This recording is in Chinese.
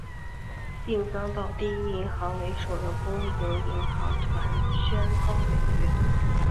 并遭到第一银行为首的公营银行团宣告违约。